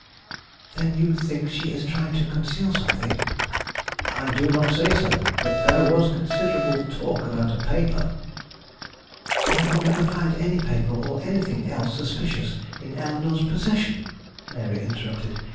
"Then you think she is trying to conceal something?" "I do not say so. But there was considerable talk about a paper " "They will never find any paper or anything else suspicious in Eleanore's possession," Mary interrupted.